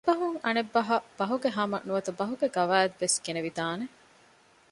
އެއްބަހުން އަނެއް ބަހަށް ބަހުގެހަމަ ނުވަތަ ބަހުގެ ގަވާއިދު ވެސް ގެނެވިދާނެ